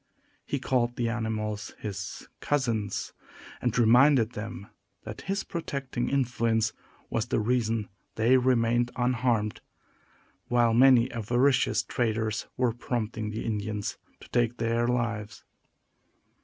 He called the animals his cousins, and reminded them that his protecting influence was the reason they remained unharmed, while many avaricious traders were prompting the Indians to take their lives.